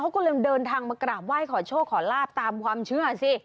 เขาก็เลยเดินทางมากราบไหว้ขอโชคขอลาบตามความเชื่อสิ